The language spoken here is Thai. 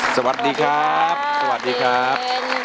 สวัสดีครับ